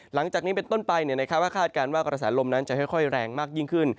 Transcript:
หลังจากนี้เป็นต้นไปคาดการณ์ว่ากระแสลมนั้นจะค่อยแรงมากยิ่งขึ้น